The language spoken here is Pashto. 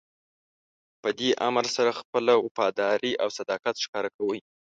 په دې امر سره خپله وفاداري او صداقت ښکاره کوئ.